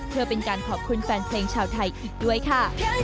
เพื่อเป็นการขอบคุณแฟนเพลงชาวไทยอีกด้วยค่ะ